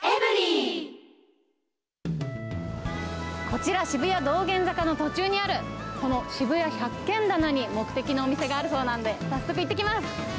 こちら、渋谷・道玄坂の途中にある、この渋谷百軒店に目的のお店があるそうなんで、早速行ってきます。